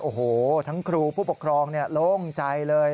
โอ้โหทั้งครูผู้ปกครองโล่งใจเลย